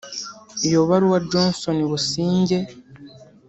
Iyo baruwa Johnston Busingye